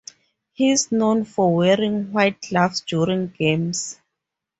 He is known for wearing white gloves during games.